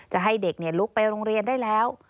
จะให้เด็กลุกไปโรงเรียนได้แล้ว